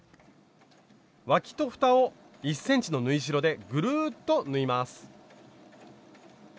わきとふたを１ｃｍの縫い代でぐるっと縫います。